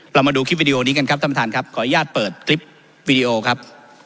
มาดูคลิปวิดีโอนี้กันครับท่านประธานครับขออนุญาตเปิดคลิปวิดีโอครับ